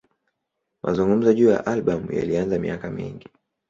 Mazungumzo juu ya albamu yalianza miaka mingi.